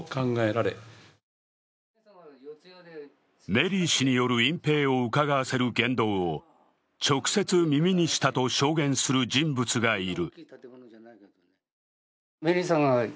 メリー氏による隠蔽をうかがわせる言動を直接耳にしたと証言する人物がいる。